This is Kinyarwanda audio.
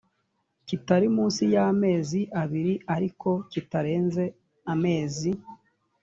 kitari munsi y amezi abiri ariko kitarenze amezi